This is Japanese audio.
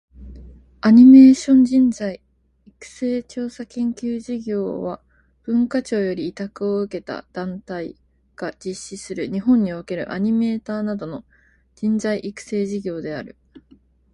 アニメーション人材育成調査研究事業（アニメーションじんざいいくせいちょうさけんきゅうじぎょう）は、文化庁より委託を受けた団体（後述）が実施する、日本におけるアニメーター等の人材育成事業である。